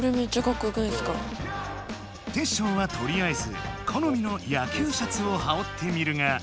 テッショウはとりあえずこのみの野球シャツをはおってみるが。